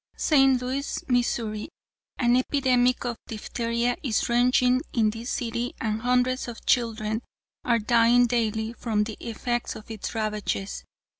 "St. Louis, Mo.: An epidemic of diphtheria is raging in this city and hundreds of children are dying daily from the effects of its ravages.